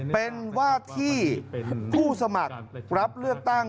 เป็นว่าที่ผู้สมัครรับเลือกตั้ง